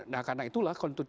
nah karena itulah